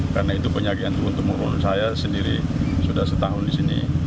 karena itu penyakit yang teruntuk murun saya sendiri sudah setahun di sini